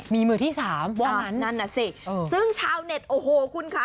มีมือที่สามว่างั้นนั่นน่ะสิซึ่งชาวเน็ตโอ้โหคุณค่ะ